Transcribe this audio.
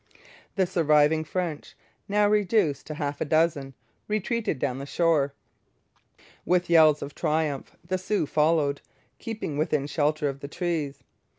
The surviving French, now reduced to half a dozen, retreated down the shore. With yells of triumph the Sioux followed, keeping within shelter of the trees.